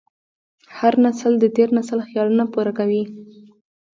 هر نسل د تېر نسل خیالونه پوره کوي.